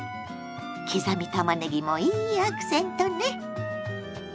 刻みたまねぎもいいアクセントね。